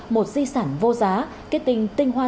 một di sản vô giá kết tinh tinh hoa